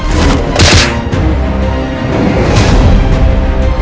tak berarti kita bisa men culuin yapit